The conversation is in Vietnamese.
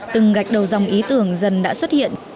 từng gạch đầu dòng ý tưởng dần đã xuất hiện